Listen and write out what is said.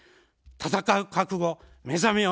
戦う覚悟、目覚めよ